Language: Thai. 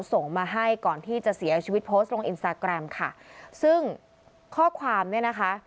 ส่งมาให้ก่อนที่จะเสียชีวิตโพสต์ลงอินสตาแกรมค่ะซึ่งข้อความเนี่ยนะคะ